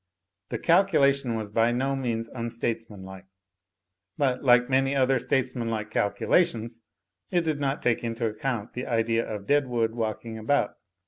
The calculation was by no means unstatesmanlike. But, like many other statesmanlike calculations, it did not take into accoimt the idea of dead wood walking about.